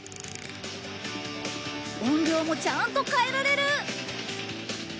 音量もちゃんと変えられる！